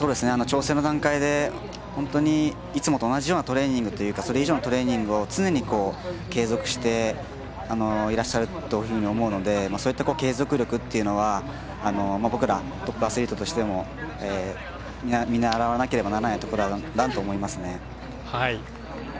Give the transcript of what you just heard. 調整の段階でいつもと同じようなトレーニングというかそれ以上のトレーニングを常に継続しているというふうに思うのでそういった継続力というのは僕ら、トップアスリートとしても見習わなければならないところだなと思いますね。